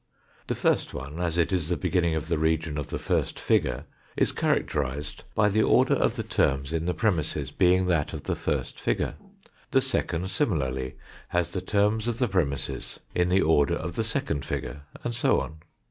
The first one, as it is the beginning of the region of the first figure, is characterised by the order of the terms in the premisses being that of the first figure. The second similarly has the terms of the premisses in the order of the second figure, and so on.